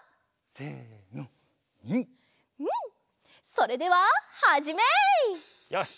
それでははじめ！よし！